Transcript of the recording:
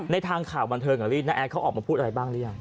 ทางข่าวบันเทิงกับลี่น้าแอดเขาออกมาพูดอะไรบ้างหรือยัง